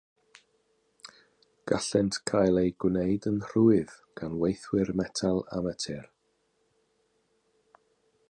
Gallent gael eu gwneud yn rhwydd gan weithwyr metel amatur.